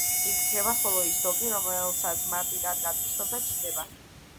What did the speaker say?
იგი ქრება, ხოლო ის დოკი, რომელსაც მარტი კარგად იცნობდა, ჩნდება.